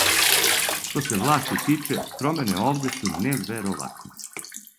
Што се власти тиче, промене овде су невероватне.